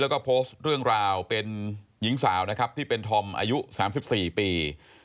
และโพสต์เรื่องราวเป็นหญิงสาวที่เป็นธอมอายุ๓๔ปี